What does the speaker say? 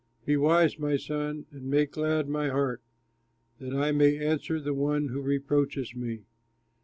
Be wise, my son, and make glad my heart, That I may answer the one who reproaches me.